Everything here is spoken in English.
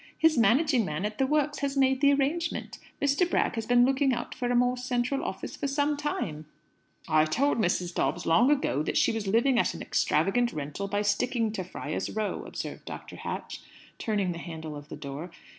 His managing man at the works has made the arrangement. Mr. Bragg has been looking out for a more central office for some time." "I told Mrs. Dobbs long ago that she was living at an extravagant rental by sticking to Friar's Row," observed Dr. Hatch, turning the handle of the door.